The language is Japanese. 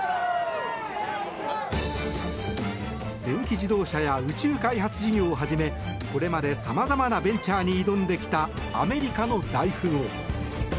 電気自動車や宇宙開発事業をはじめこれまでさまざまなベンチャーに挑んできたアメリカの大富豪。